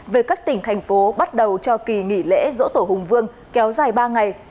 về các tỉnh thành phố bắt đầu cho kỳ nghỉ lễ dỗ tổ hùng vương kéo dài ba ngày